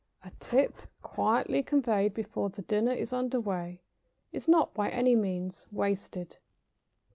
A tip, quietly conveyed before the dinner is under way, is not by any means wasted.